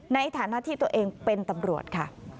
ในฐานะที่ตัวเองเป็นตำรวจค่ะ